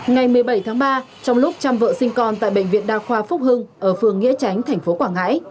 ngày một mươi bảy tháng ba trong lúc chăm vợ sinh con tại bệnh viện đa khoa phúc hưng ở phường nghĩa tránh tp quảng ngãi